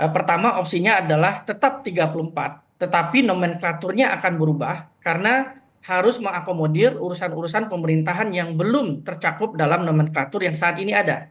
pertama opsinya adalah tetap tiga puluh empat tetapi nomenklaturnya akan berubah karena harus mengakomodir urusan urusan pemerintahan yang belum tercakup dalam nomenklatur yang saat ini ada